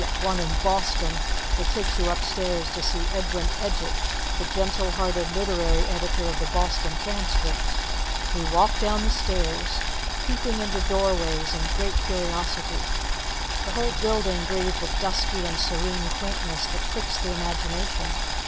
one in Boston, that takes you upstairs to see Edwin Edgett, the gentle hearted literary editor of the Boston Transcript), we walked down the stairs, peeping into doorways in great curiosity. The whole building breathed a dusky and serene quaintness that pricks the imagination.